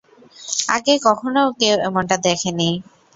আগে কখনও কেউই এমনটা দেখেনি!